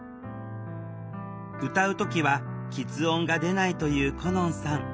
歌う時はきつ音が出ないという心杏さん。